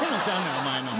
お前のは。